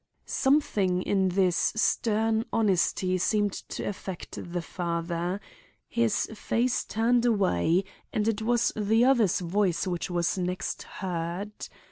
"Something in this stern honesty seemed to affect the father. His face turned away and it was the other's voice which was next heard.